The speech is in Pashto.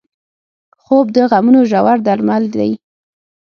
خوب د غمونو ژور درمل دی